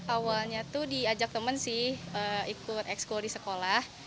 awalnya tuh diajak temen sih ikut exco di sekolah